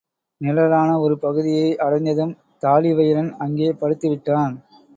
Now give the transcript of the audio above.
நிழலான ஒரு பகுதியை அடைந்ததும் தாழிவயிறன் அங்கே படுத்துவிட்டான்.